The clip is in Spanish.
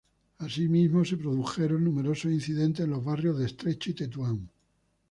Asimismo, se produjeron numerosos incidentes en los barrio de Estrecho y Tetuán.